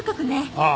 ああ。